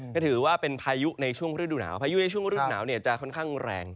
ก็ถือว่าเป็นพายุในช่วงฤดูหนาวพายุในช่วงฤดูหนาวจะค่อนข้างแรง